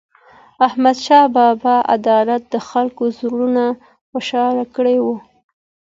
د احمدشاه بابا عدالت د خلکو زړونه خوشحال کړي وو.